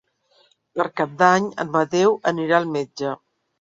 Per Cap d'Any en Mateu anirà al metge.